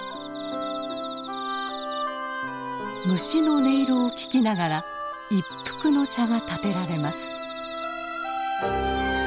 虫の音色を聴きながら一服の茶がたてられます。